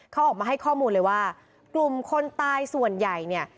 เขาออกมาให้ข้อมูลเลยว่ากลุ่มคนตายส่วนใหญ่เนี่ย